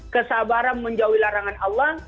kesabaran menjauhi larangan allah